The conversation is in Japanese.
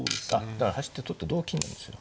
だから走って取って同金なんですよ。